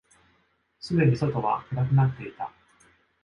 すでに外は暗くなっていた。